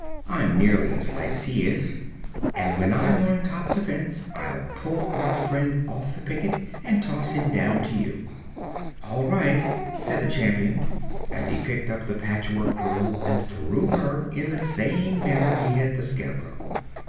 I'm nearly as light as he is, and when I'm on top the fence I'll pull our friend off the picket and toss him down to you." "All right," said the Champion, and he picked up the Patchwork Girl and threw her in the same manner he had the Scarecrow.